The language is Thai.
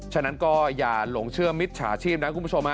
ฉะนั้นก็อย่าหลงเชื่อมิจฉาชีพนะคุณผู้ชม